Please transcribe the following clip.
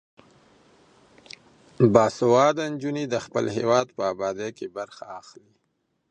باسواده نجونې د خپل هیواد په ابادۍ کې برخه اخلي.